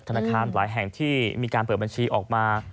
ธนาคารหลายแห่งที่มีการเปิดบัญชีออกมา